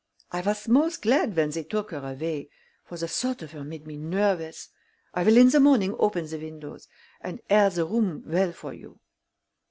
I was most glad when they took her away: for the thought of her made me nervous. I will in the morning open the windows, and air the room well for you."